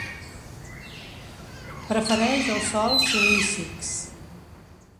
Prefereix els sòls silícics.